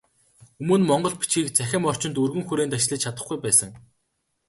Өмнө монгол бичгийг цахим орчинд өргөн хүрээнд ашиглаж чадахгүй байсан.